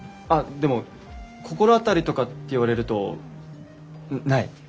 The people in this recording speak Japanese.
あっでも心当たりとかって言われるとない。